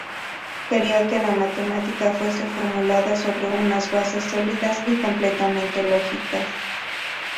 Quería que la matemática fuese formulada sobre unas bases sólidas y completamente lógicas.